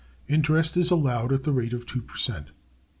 Interest is allowed at the rate of 2 per cent.